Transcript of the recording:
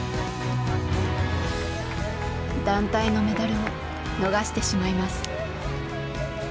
「団体のメダル」を逃してしまいます。